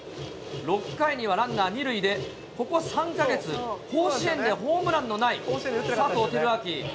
６回にはランナー２塁で、ここ３か月、甲子園でホームランのない佐藤輝明。